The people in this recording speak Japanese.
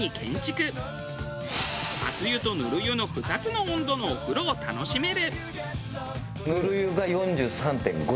あつ湯とぬる湯の２つの温度のお風呂を楽しめる。